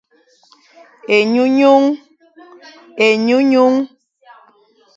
Enyunyung.